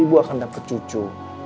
ibu akan dapet cucu